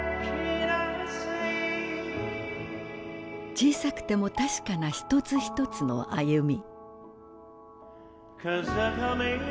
小さくても確かな一つ一つの歩み。